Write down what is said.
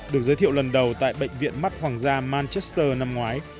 được giới thiệu lần đầu tại bệnh viện mắt hoàng gia manchester năm ngoái